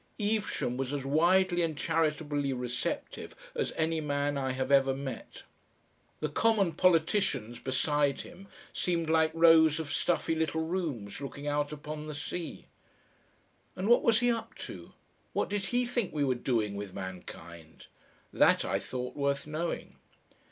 Evesham was as widely and charitably receptive as any man I have ever met. The common politicians beside him seemed like rows of stuffy little rooms looking out upon the sea. And what was he up to? What did HE think we were doing with Mankind? That I thought worth knowing.